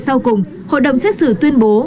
sau cùng hội đồng xét xử tuyên bố